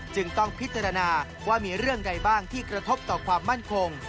จึงต้องพิจารณาว่ามีเรื่องใดบ้างที่กระทบต่อความมั่นคง